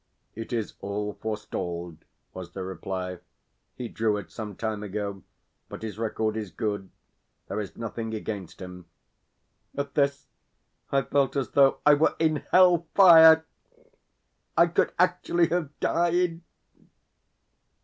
"It is all forestalled," was the reply. "He drew it some time ago. But his record is good. There is nothing against him." At this I felt as though I were in Hell fire. I could actually have died!